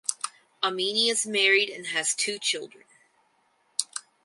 Amini is married and has two children.